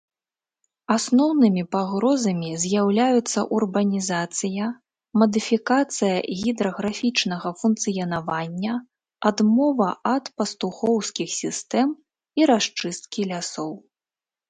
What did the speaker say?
Асноўнымі пагрозамі з'яўляюцца урбанізацыя, мадыфікацыя гідраграфічнага функцыянавання, адмова ад пастухоўскіх сістэм і расчысткі лясоў.